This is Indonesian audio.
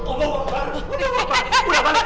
udah balik balik balik